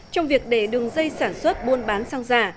trong việc để đường dây sản xuất buôn bán xăng giả